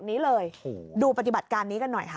นี้เลยดูปฏิบัติการนี้กันหน่อยค่ะ